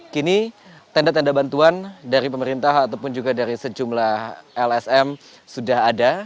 kini tenda tenda bantuan dari pemerintah ataupun juga dari sejumlah lsm sudah ada